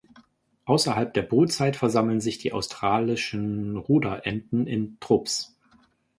Außerhalb der Brutzeit versammeln sich die Australischen Ruderenten in Trupps.